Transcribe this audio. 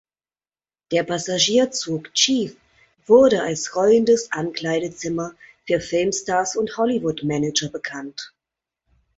Der Passagierzug „Chief“ wurde als „rollendes Ankleidezimmer“ für Filmstars und Hollywoodmanager bekannt.